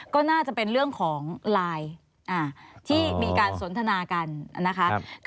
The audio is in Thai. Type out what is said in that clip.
ก็น่าจะเป็นเรื่องของไลน์ที่มีการสนทนากันนะคะ